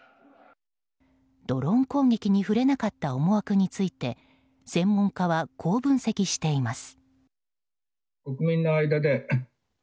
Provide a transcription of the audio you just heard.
ドローン攻撃に触れなかった思惑について専門家は、こう分析しています。